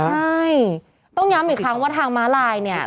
ใช่ต้องย้ำอีกครั้งว่าทางม้าลายเนี่ย